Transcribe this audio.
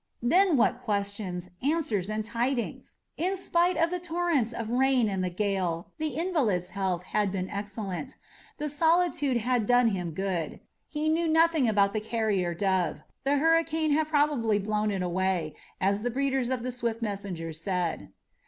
Then what questions, answers, tidings! In spite of the torrents of rain and the gale, the invalid's health had been excellent. The solitude had done him good. He knew nothing about the carrier dove. The hurricane had probably "blown it away," as the breeders of the swift messengers said.